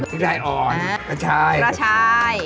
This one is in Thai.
สิ้นกระแย่อ่อนราชายละชาย